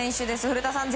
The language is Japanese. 古田さん